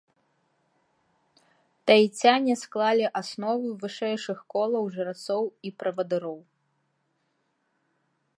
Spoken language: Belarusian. Таіцяне склалі аснову вышэйшых колаў жрацоў і правадыроў.